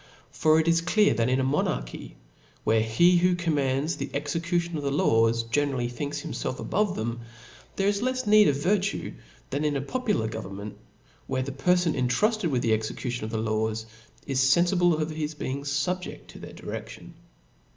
For it is clear, that in a monarchy, where he who com mands the execution of the laws, generally thinks himfelf above them, there is lefs need of virtue than in a popular government, where the perfon cntrufted with the execution of the laws, is feniible ©f his being fubjeft to their diredlion.